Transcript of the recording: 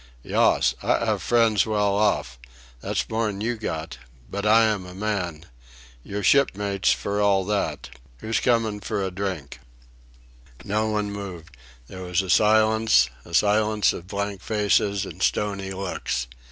"Yuss. I 'ave friends well off. That's more'n you got. But I am a man. Yer shipmates for all that. Who's comin fur a drink?" No one moved. There was a silence; a silence of blank faces and stony looks.